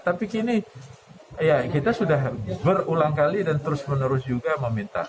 tapi kini kita sudah berulang kali dan terus menerus juga meminta